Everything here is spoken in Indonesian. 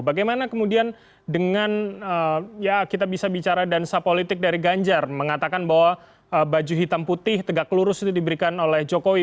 bagaimana kemudian dengan ya kita bisa bicara dansa politik dari ganjar mengatakan bahwa baju hitam putih tegak lurus itu diberikan oleh jokowi